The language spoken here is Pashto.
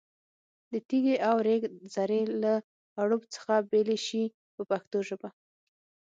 د تېږې او ریګ ذرې له اړوب څخه بېلې شي په پښتو ژبه.